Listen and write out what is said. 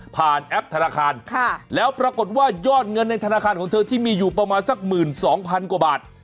แอปธนาคารแล้วปรากฏว่ายอดเงินในธนาคารของเธอที่มีอยู่ประมาณสัก๑๒๐๐๐กว่าบาท